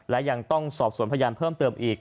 และยังต้องสอบสวนพยานเพิ่มเติมอีก